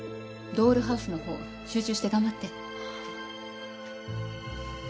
ドールハウスの方集中して頑張って。